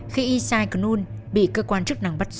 khi isai cunun bị cơ quan chức năng bắt xử